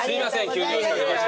急に押し掛けまして。